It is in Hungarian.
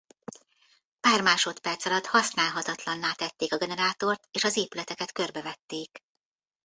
Pár másodperc alatt használhatatlanná tették a generátort és az épületeket körbevették.